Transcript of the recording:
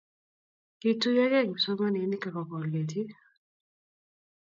kituyokei kipsomaninik akokol ketik